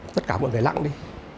tất cả mọi người lặng đi